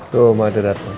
tuh mama udah dateng